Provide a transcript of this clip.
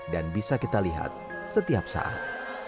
dan bisa kita lihat setiap saat